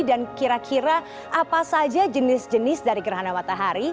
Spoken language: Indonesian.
dan kira kira apa saja jenis jenis dari gerhana matahari